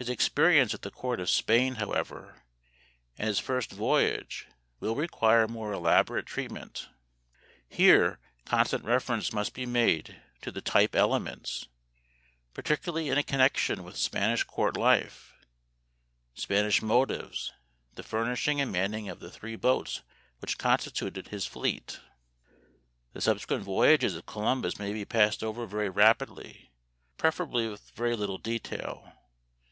His experience at the court of Spain, however, and his first voyage will require more elaborate treatment. Here constant reference must be made to the "type elements," particularly in connection with Spanish court life, Spanish motives, the furnishing and manning of the three boats which constituted his fleet. The subsequent voyages of Columbus may be passed over very rapidly, preferably with very little detail.